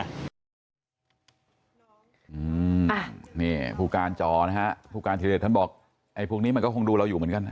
อืมอ่ะนี่ผู้การจอนะฮะผู้การธิเดชท่านบอกไอ้พวกนี้มันก็คงดูเราอยู่เหมือนกันนะ